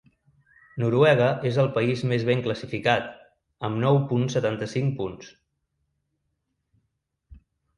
Noruega és el país més ben classificat, amb nou punt setanta-cinc punts.